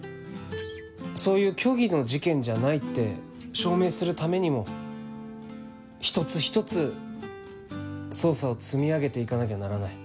そういう虚偽の事件じゃないって証明するためにも一つ一つ捜査を積み上げて行かなきゃならない。